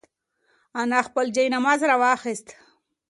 انا خپل جاینماز راواخیست.